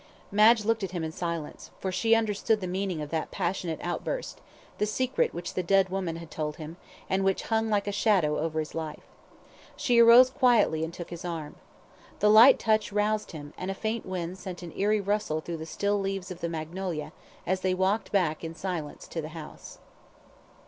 Madge looked at him in silence, for she understood the meaning of that passionate outburst the secret which the dead woman had told him, and which hung like a shadow over his life. She arose quietly and took his arm. The light touch roused him, and a faint wind sent an eerie rustle through the still leaves of the magnolia, as they walked back in silence to the house.